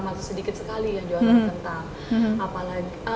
masih sedikit sekali yang jualan kentang